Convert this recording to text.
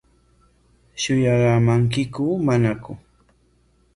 ¿Shuyaraamankiku manaku?